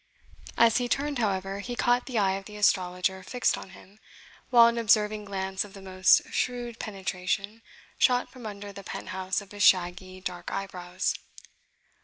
As he turned, however, he caught the eye of the astrologer fixed on him, while an observing glance of the most shrewd penetration shot from under the penthouse of his shaggy, dark eyebrows.